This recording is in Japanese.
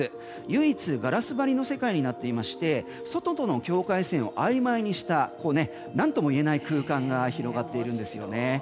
唯一、ガラス張りの世界になっていまして外との境界線をあいまいにしたなんともいえない空間が広がっているんですね。